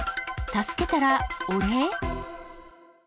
助けたらお礼？